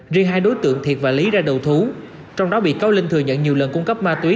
riêng hai đối tượng thiệt và lý ra đầu thú trong đó bị cáo linh thừa nhận nhiều lần cung cấp ma túy